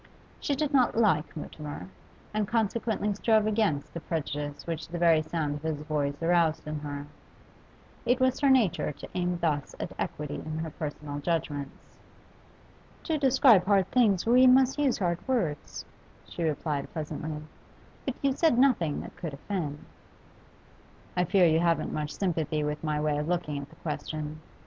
She did not like Mutimer, and consequently strove against the prejudice which the very sound of his voice aroused in her; it was her nature to aim thus at equity in her personal judgments. 'To describe hard things we must use hard words,' she replied pleasantly, 'but you said nothing that could offend.' 'I fear you haven't much sympathy with my way of looking at the question.